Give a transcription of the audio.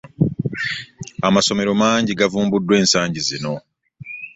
Amasomero mangi gavumbuddwa ensangi zino.